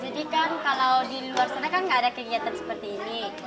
jadi kan kalau di luar sana kan nggak ada kegiatan seperti ini